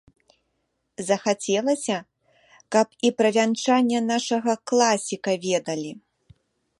Захацелася, каб і пра вянчанне нашага класіка ведалі.